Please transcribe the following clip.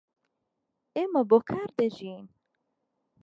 ئێمە بۆ کار دەژین.